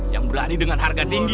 yang berani dengan harga tinggi